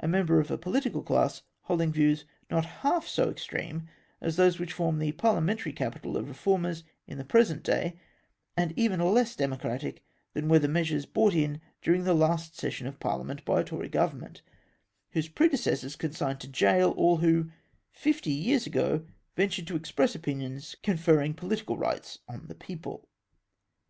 a member of a pohtical class holding views not half so extreme as those which form the parhamentary capital of reformers in the present day, and even less demo cratic than were the measures brought in during the last session of parhament by a Tory Government, whose predecessors consigned to gaol all who, fifty years ago, ventm ed to express opinions conferring pohtical rights on the people.